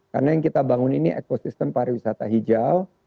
karena yang kita bangun ini ekosistem pariwisata hijau